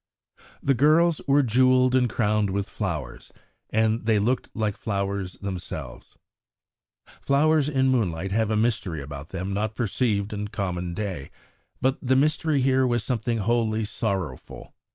The girls were jewelled and crowned with flowers, and they looked like flowers themselves; flowers in moonlight have a mystery about them not perceived in common day, but the mystery here was something wholly sorrowful.